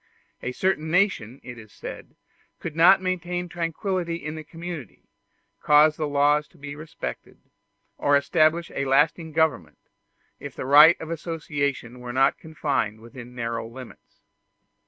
A certain nation, it is said, could not maintain tranquillity in the community, cause the laws to be respected, or establish a lasting government, if the right of association were not confined within narrow limits.